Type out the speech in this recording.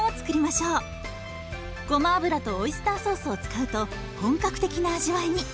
ごま油とオイスターソースを使うと本格的な味わいに！